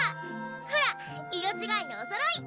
ほら色ちがいのおそろい！